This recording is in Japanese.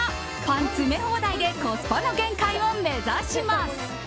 パン詰め放題でコスパの限界を目指します。